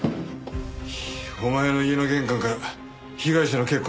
お前の家の玄関から被害者の血痕が見つかった。